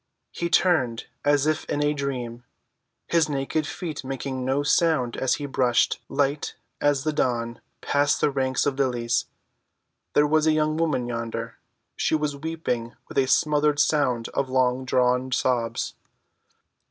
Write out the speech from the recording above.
He turned as if in a dream, his naked feet making no sound as he brushed, light as the dawn, past the ranks of lilies. There was a woman yonder. She was weeping with a smothered sound of long‐drawn sobs.